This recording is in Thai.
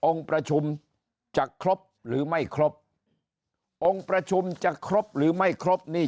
ประชุมจะครบหรือไม่ครบองค์ประชุมจะครบหรือไม่ครบนี่